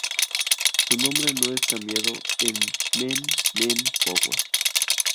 Su nombre no es cambiado en "Mew Mew Power".